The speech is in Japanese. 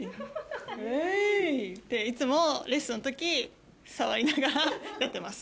ウェイ！っていつもレッスンの時触りながらやってます。